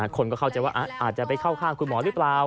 คนก็เข้าใจว่าอาจจะไปเข้าข้างคุณหมอหรือเปล่า